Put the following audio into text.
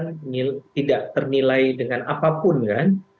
dan kita tidak menilai dengan apapun